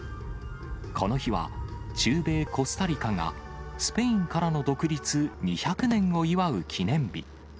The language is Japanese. この日は中米コスタリカが、スペインからの独立２００年を祝う記念日。